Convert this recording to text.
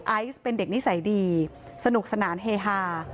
ไอซ์เป็นเด็กนิสัยดีสนุกสนานเฮฮา